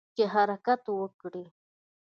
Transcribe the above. چې حرکت وکړي.